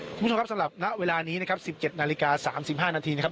คุณผู้ชมครับสำหรับณเวลานี้นะครับสิบเจ็ดนาฬิกาสามสิบห้านาทีนะครับ